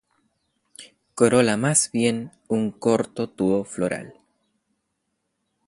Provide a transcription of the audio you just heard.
Corola más bien un corto tubo floral.